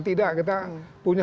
tidak kita punya hubungan